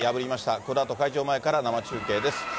このあと会場前から生中継です。